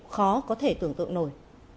khó có thể tưởng tượng nổi